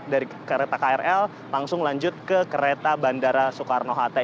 dari kereta krl langsung lanjut ke kereta bandara soekarno hatta